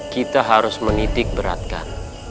kita harus menitik beratkan